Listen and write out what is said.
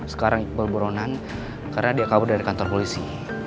sekarang iqbal buronan karena dia kabur dari kantor polisi